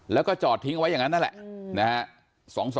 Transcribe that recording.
แล้วก็จัดทิ้งไว้อย่างนั้น